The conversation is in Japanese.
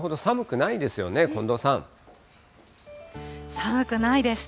寒くないです。